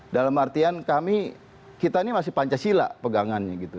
dalam artian kami kita ini masih pancasila pegangannya gitu